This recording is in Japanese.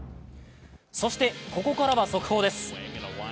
そして、ここからは速報です。